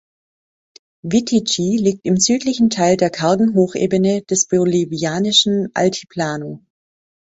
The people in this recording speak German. Vitichi liegt im südlichen Teil der kargen Hochebene des bolivianischen Altiplano.